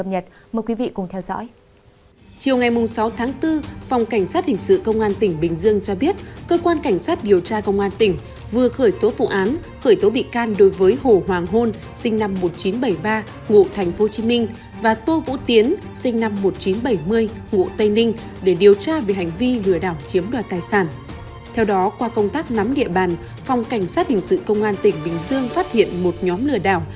hình sự công an tỉnh bình dương phát hiện một nhóm lừa đảo